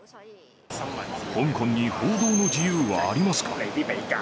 香港に報道の自由はあります